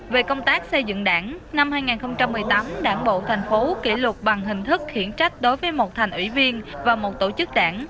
về công tác xây dựng đảng năm hai nghìn một mươi tám đảng bộ thành phố kỷ luật bằng hình thức khiển trách đối với một thành ủy viên và một tổ chức đảng